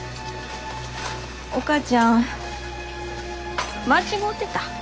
お母ちゃん間違うてた。